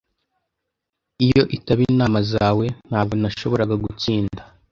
Iyo itaba inama zawe, ntabwo nashoboraga gutsinda.